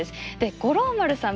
五郎丸さん